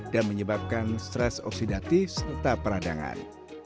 dan menyebabkan stres oksidatif serta peradangan